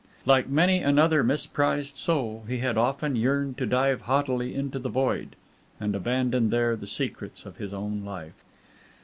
Like many another misprized soul, he had often yearned to dive haughtily into the void, and abandon there the secrets of his own life.